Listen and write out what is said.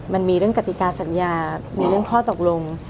มันมีเรื่องกติกาสัญญามีเรื่องข้อตกลง